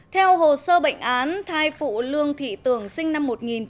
theo hồ sơ bệnh án thai phụ lương thị tường sinh năm một nghìn chín trăm tám mươi sáu